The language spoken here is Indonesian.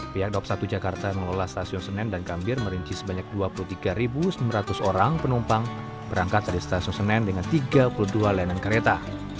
pihak dop satu jakarta mengelola stasiun senen dan gambir merinci sebanyak dua puluh tiga sembilan ratus orang penumpang berangkat dari stasiun senen dengan tiga puluh dua layanan kereta